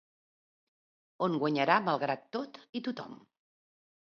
On guanyarà malgrat tot i tothom.